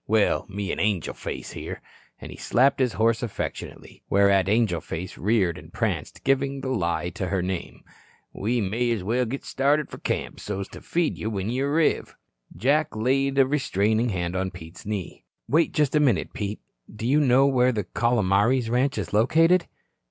Well, me an' Angel Face here," and he slapped his horse affectionately, whereat Angel Face reared and pranced, giving the lie to her name, "we may as well git started fur camp so's to feed you when you arriv." Jack laid a restraining hand on Pete's knee. "Wait just a minute, Pete. Do you know where the Calomares ranch is located?"